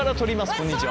こんにちは。